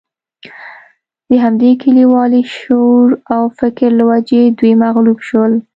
د همدې کلیوالي شعور او فکر له وجې دوی مغلوب شول.